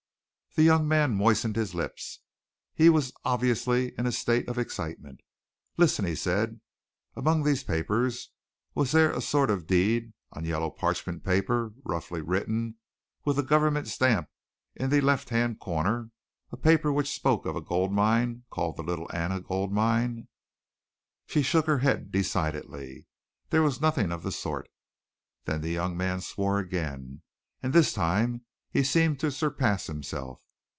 The young man moistened his lips. He was obviously in a state of excitement. "Listen," he said, "among these papers was there a sort of deed on yellow parchment paper, roughly written, with a government stamp in the left hand corner, a paper which spoke of a gold mine called the Little Anna Gold Mine?" She shook her head decidedly. "There was nothing of the sort." Then the young man swore again, and this time he seemed to surpass himself.